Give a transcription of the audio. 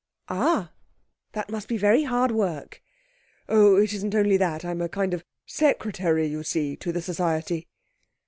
'Ah. That must be very hard work.' 'Oh, it isn't only that I'm a kind of Secretary, you see, to the Society.'